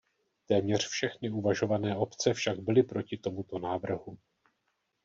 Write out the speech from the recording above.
Téměř všechny uvažované obce však byly proti tomuto návrhu.